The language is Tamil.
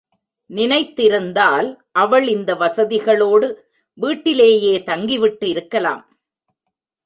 நினைத்திருந்தால் அவள் இந்த வசதிகளோடு வீட்டிலேயே தங்கிவிட்டு இருக்கலாம்.